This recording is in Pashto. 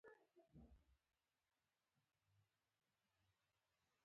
هغه هر وخت د شاه عالم په ګټه کار کوي.